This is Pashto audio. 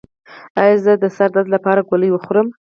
ایا زه د سر درد لپاره ګولۍ وخورم؟